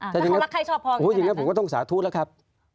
อ้อแต่ชอบพอโยงก็สาธุแล้วครับ